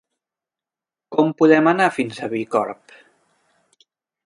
Com podem anar fins a Bicorb?